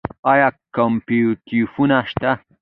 آیا کوپراتیفونه شته؟